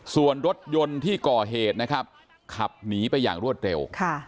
ส่วนรถยนต์ที่ก่อเหตุนะครับขับหนีไปอย่างรวดเร็ว